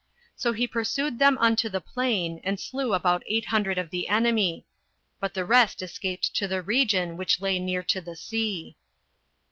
So he pursued them unto the plain, and slew about eight hundred of the enemy; but the rest escaped to the region which lay near to the sea.